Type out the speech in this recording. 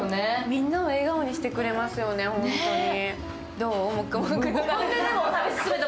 みんなを笑顔にしてくれますよね、ホントに。